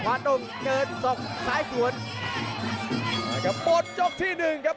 กระโดยสิ้งเล็กนี่ออกกันขาสันเหมือนกันครับ